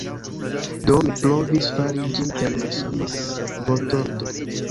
Do, mi provis fari ĝin per malsama vortordo.